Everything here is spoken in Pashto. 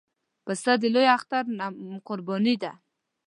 پسه د لوی اختر قرباني ده.